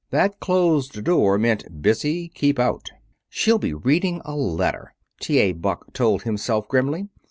That closed door meant: "Busy. Keep out." "She'll be reading a letter," T. A. Buck told himself grimly.